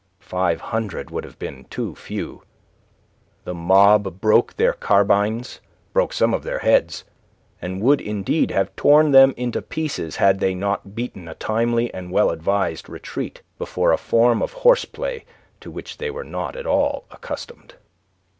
Five hundred would have been too few. The mob broke their carbines, broke some of their heads, and would indeed have torn them into pieces had they not beaten a timely and well advised retreat before a form of horseplay to which they were not at all accustomed.